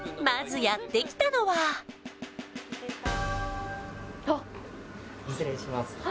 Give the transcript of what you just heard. まずやってきたのは失礼します